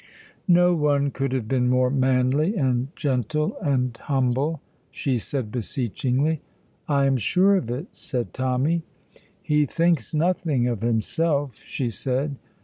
"No one could have been more manly and gentle and humble," she said beseechingly. "I am sure of it," said Tommy. "He thinks nothing of himself," she said.